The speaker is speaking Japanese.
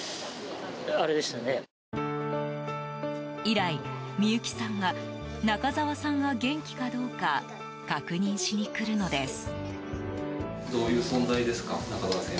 以来、ミユキさんは中沢さんが元気かどうか確認しにくるのです。